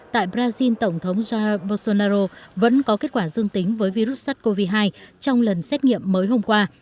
tại brazil tổng thống jair bolsonaro vẫn có kết quả dương tính với virus sars cov hai trong lần xét nghiệm mới hôm qua